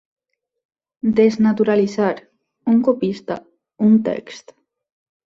Desnaturalitzar, un copista, un text.